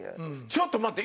ちょっと待って。